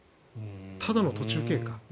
ただの途中経過。